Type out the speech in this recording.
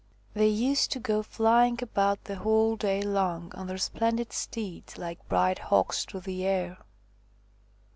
They used to go flying about the whole day long on their splendid steeds, like bright hawks through the sky.